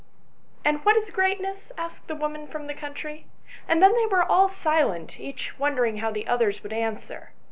" And what is greatness ?" asked the woman from the country; and then they were all silent, each wondering how the others would answer.